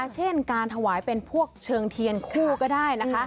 เช่นการถวายเป็นพวกเชิงเทียนคู่ก็ได้นะคะ